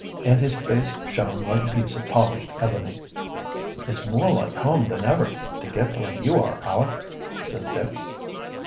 And his face shone like a piece of polished ebony. "It's more like home than ever, to get where you are, Aleck," said Dick.